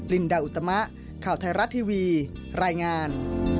ลินดาอุตมะข่าวไทยรัฐทีวีรายงาน